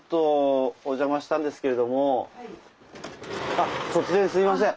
あ突然すいません。